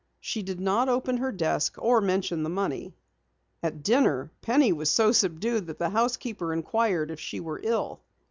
She did not open her desk or mention the money. At dinner Penny was so subdued that the housekeeper inquired if she were ill.